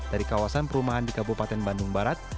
dari kawasan perumahan di kabupaten bandung barat